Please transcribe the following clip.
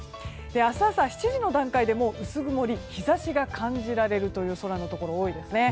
明日朝７時の段階でもう薄曇り日差しが感じられる空のところが多いですね。